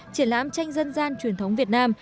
triển lãm tranh dân gian truyền thống việt nam